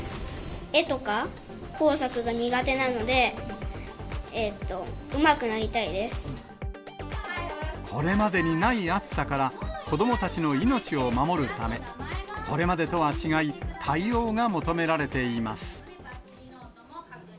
絵とか、工作が苦手なので、これまでにない暑さから、子どもたちの命を守るため、これまでとは違い、対応が求められています。